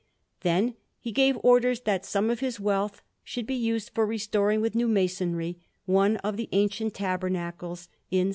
Then he gave orders that some of his wealth should be used for restoring with new masonry one of the ancient tabernacles in S.